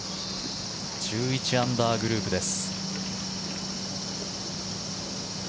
１１アンダーグループです。